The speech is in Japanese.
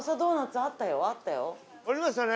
ありましたね。